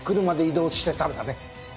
車で移動してたんだね。